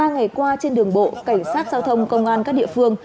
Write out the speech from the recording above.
ba ngày qua trên đường bộ cảnh sát giao thông công an các địa phương